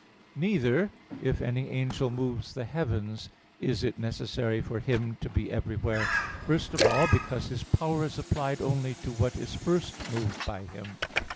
Neither, if any angel moves the heavens, is it necessary for him to be everywhere. First of all, because his power is applied only to what is first moved by him.